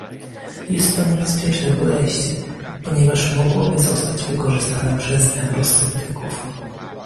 Jest to niebezpieczne podejście, ponieważ mogłoby zostać wykorzystane przez eurosceptyków